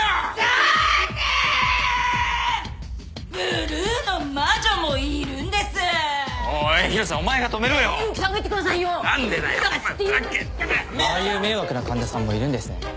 ああいう迷惑な患者さんもいるんですね。